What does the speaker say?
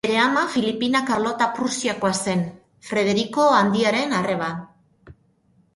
Bere ama Filipina Karlota Prusiakoa zen, Frederiko Handiaren arreba.